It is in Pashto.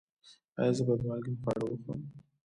ایا زه باید مالګین خواړه وخورم؟